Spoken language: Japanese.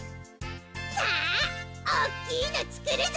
さあおっきいの作るぞ！